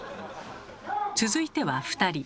続いては２人。